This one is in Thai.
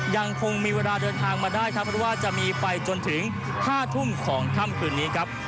ยังคงมีเวลาเดินทางมาได้ครับเพราะว่าจะมีไปจนถึง๕ทุ่มของค่ำคืนนี้ครับ